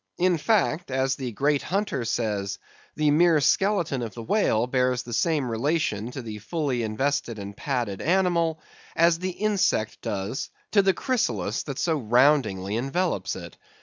In fact, as the great Hunter says, the mere skeleton of the whale bears the same relation to the fully invested and padded animal as the insect does to the chrysalis that so roundingly envelopes it.